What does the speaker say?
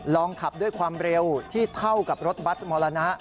ลองขับด้วยความเร็วที่เท่ากับรถบัสมรณะ